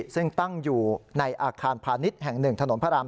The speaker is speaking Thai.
ซึ่งตั้งอยู่ในอาคารพาณิชย์แห่ง๑ถนนพระราม